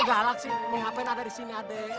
gak halal sih mau ngapain ada di sini adek